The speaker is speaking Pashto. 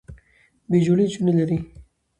بې جوړې نجونې لرلې